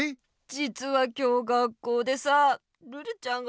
じつは今日学校でさルルちゃんがさ。